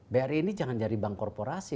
bri ini jangan jadi bank korporasi